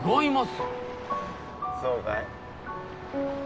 よそうかい？